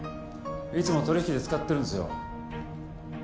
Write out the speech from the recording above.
いつも取引で使ってるんすよ。